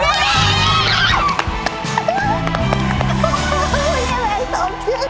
ถูกครับ